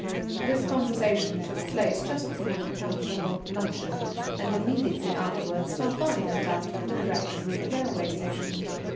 This conversation took place just before the table d'hôte luncheon, and immediately afterwards Falfani went out in the direction of the railway station.